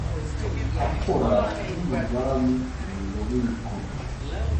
Akora nk'umuzamu mu bubiko